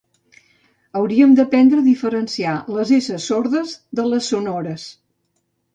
Hauríem d'aprendre a diferenciar les esses sordes de les sonores